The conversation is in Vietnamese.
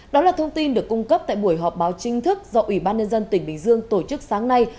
đó là thông tin được cung cấp tại buổi họp báo chính thức do ủy ban nhân dân tỉnh bình dương tổ chức sáng nay